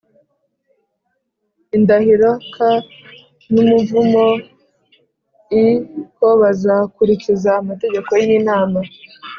indahiro k n umuvumo l ko bazakurikiza amategeko y Imana